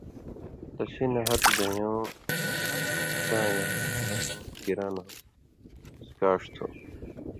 تسی نہ ہتہۡ ڙھُویں نی نِکاں یا نھیلؤں گِران ہو اڅھکاݜ تھُو۔